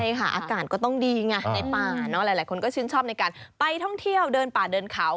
ใช่ค่ะอากาศก็ต้องดีไงในป่าเนอะหลายคนก็ชื่นชอบในการไปท่องเที่ยวเดินป่าเดินเขา